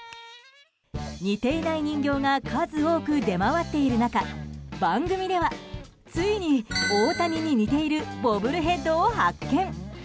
似ていない人形が数多く出回っている中番組ではついに大谷に似ているボブルヘッドを発見。